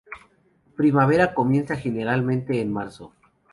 Primavera comienza generalmente en marzo.